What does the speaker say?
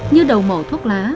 như đầu màu thuốc lá